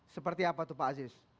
seperti apa tuh pak aziz